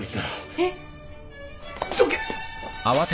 えっ？どけ！